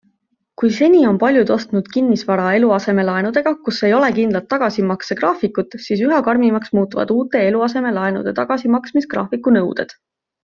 Kui seni on paljud ostnud kinnisvara eluasemelaenudega, kus ei ole kindlat laenu tagasimaksegraafikut, siis üha karmimaks muutuvad uute eluasemelaenude tagasimaksmisgraafiku nõuded.